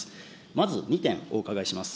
まず２点、お伺いします。